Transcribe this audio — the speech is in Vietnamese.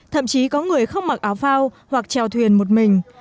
thậm chí có người không mặc áo phao hoặc trèo thuyền một mình